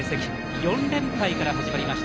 ４連敗から始まりました。